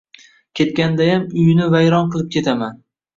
Ketgandayam uyini vayron qilib ketaman!